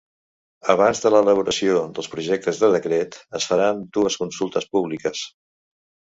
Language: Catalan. Abans de l’elaboració dels projectes de decret, es faran dues consultes públiques.